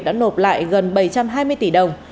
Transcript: đã nộp lại gần bảy trăm hai mươi tỷ đồng